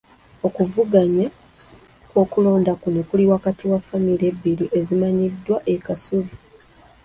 Okuvuganya kw'okulonda kuno kuli wakati wa famire ebbiri ezimanyikiddwa e Kasubi.